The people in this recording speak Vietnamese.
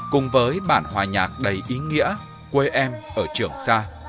cùng với bản hòa nhạc đầy ý nghĩa quê em ở trường sa